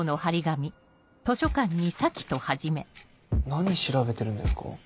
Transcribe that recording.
何調べてるんですか？